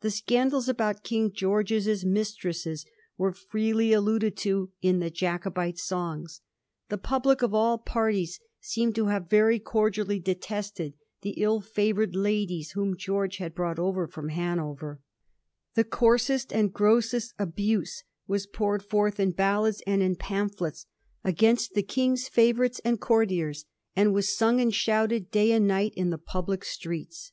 The scandals about King George's mistresses were fireely alluded to in the Jacobite songs. The public of all parties seem to have very cordially detested the ill favoured ladies whom George had brought over fi*om Hanover. The coarsest and grossest abuse was poured forth in ballads and in pamphlets against the King's favourites VOL. I. s Digiti zed by Google 178 A HISTORY OF THE FOUR GEORGES, ch. tul and courtiers, and was sung and shouted day and night in the pubKc streets.